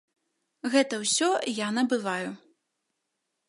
Гэта ўсё я набываю.